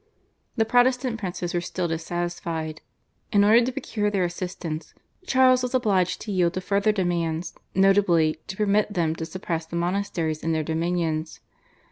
The Protestant princes were still dissatisfied. In order to procure their assistance Charles was obliged to yield to further demands, notably, to permit them to suppress the monasteries in their dominions.